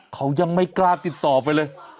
เขายังไม่กล้าติดต่อไปเลย